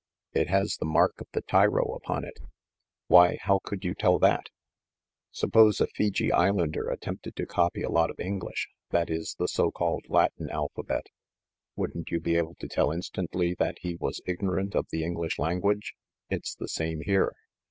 It has the mark of the tyro upon it." "Why! how could you tell that?" "Suppose a Fiji Islander attempted to copy a lot of English — that is, the so called Latin alphabet. 154 THE MASTER OF MYSTERIES Wouldn't you be able to tell instantly that he was ig norant of the English language? It's the same here.